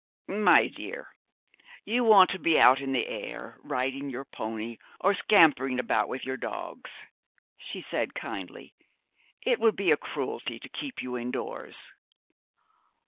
'My dear, you want to be out in the air, riding your pony, or scampering about with your dogs,' she said, kindly. 'It would be a cruelty to keep you indoors.'